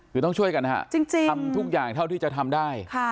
คือต้องช่วยกันนะฮะทำทุกอย่างเท่าที่จะทำได้